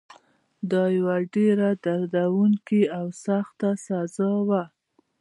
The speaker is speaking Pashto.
دا یوه ډېره دردونکې او سخته سزا وه.